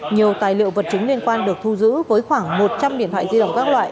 nhiều tài liệu vật chứng liên quan được thu giữ với khoảng một trăm linh điện thoại di động các loại